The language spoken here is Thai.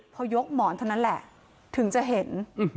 พอยกหมอนเท่านั้นแหละถึงจะเห็น